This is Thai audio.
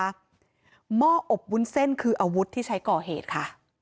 หม้ออบวุ้นเส้นคืออาวุธที่ใช้ก่อเหตุค่ะ